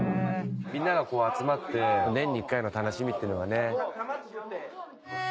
みんながこう集まって年に１回の楽しみっていうのがね。